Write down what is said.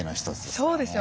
そうですよ